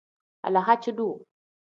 Alahaaci-duu.